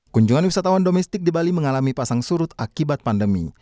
kunjungan wisatawan domestik di bali mengalami pasang surut akibat pandemi